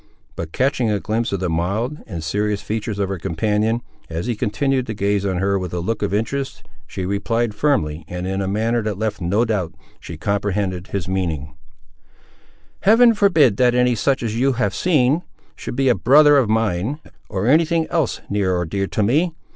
But catching a glimpse of the mild and serious features of her companion, as he continued to gaze on her with a look of interest, she replied, firmly, and in a manner that left no doubt she comprehended his meaning: "Heaven forbid that any such as you have seen, should be a brother of mine, or any thing else near or dear to me!